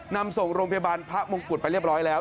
นำส่งโรงพยาบาลพระมงกุฎไปเรียบร้อยแล้ว